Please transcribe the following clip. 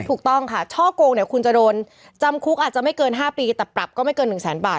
ถูกต้องค่ะช่อกงเนี่ยคุณจะโดนจำคุกอาจจะไม่เกิน๕ปีแต่ปรับก็ไม่เกิน๑แสนบาท